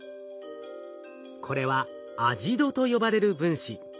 これはアジドと呼ばれる分子。